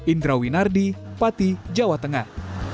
indra winardi pati jawa tengah